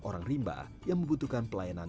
orang rimba yang membutuhkan pelayanan